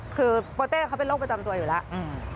คือโปเต้เขาเป็นโรคประจำตัวอยู่แล้ว